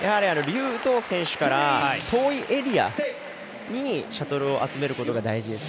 劉禹とう選手から遠いエリアにシャトルを集めることが大事です。